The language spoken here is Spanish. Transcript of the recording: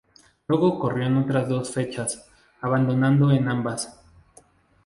Luego corrió en otras dos fechas, abandonando en ambas.